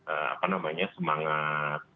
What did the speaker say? apa namanya semangat